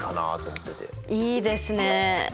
いいですねえ。